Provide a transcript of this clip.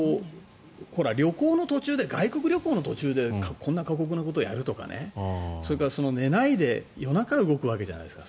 外国旅行の途中でこんな過酷なことをやるとかそれから、寝ないで夜中に動くわけじゃないですか。